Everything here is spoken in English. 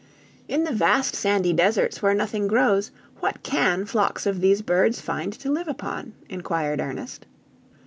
"In the vast sandy deserts where nothing grows, what can flocks of these birds find to live upon?" inquired Ernest.